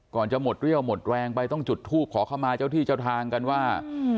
จะหมดเรี่ยวหมดแรงไปต้องจุดทูปขอเข้ามาเจ้าที่เจ้าทางกันว่า